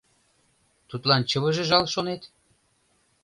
Тудлан чывыже жал, шонет?